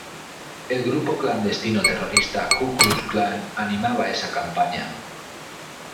El grupo clandestino terrorista Ku Klux Klan animaba esa campaña.